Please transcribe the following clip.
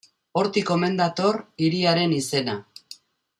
Hortik omen dator hiriaren izena.